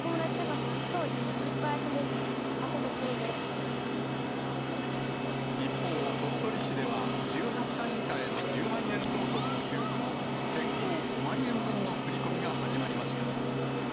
友達とかといっぱい遊べると一方、鳥取市では、１８歳以下への１０万円相当の給付の先行５万円分の振り込みが始まりました。